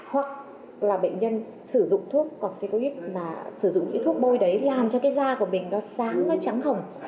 hoặc là bệnh nhân sử dụng thuốc corticoid mà sử dụng những thuốc bôi đấy làm cho cái da của mình nó sáng nó trắng hồng